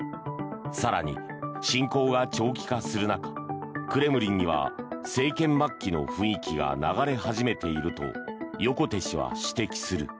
更に、侵攻が長期化する中クレムリンには政権末期の雰囲気が流れ始めていると横手氏は指摘する。